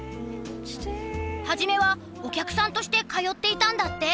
初めはお客さんとして通っていたんだって。